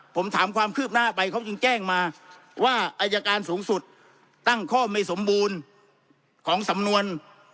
ผมถามความคืบหน้าไปเขาจึงแจ้งมาว่าอายการสูงสุดตั้งข้อไม่สมบูรณ์ของสำนวน